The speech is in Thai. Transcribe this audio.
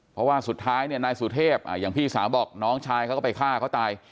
เพราะว่าสุดท้ายเนี่ยนายสุเทพอย่างพี่สาวบอกน้องชายเขาก็ไปฆ่าเขาตาย